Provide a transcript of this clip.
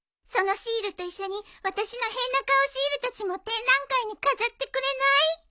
そのシールと一緒に私のへんなカオシルたちも展覧会に飾ってくれない？